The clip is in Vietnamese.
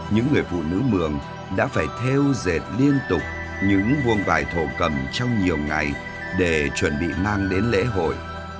những người phụ nữ mường đã phải theo dệt liên tục những vuông vải thổ cầm trong nhiều ngày để chuẩn bị mang đến lễ hội